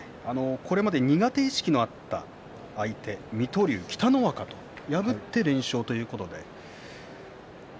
これまで苦手意識があった相手水戸龍、北の若を破っての連勝ということです。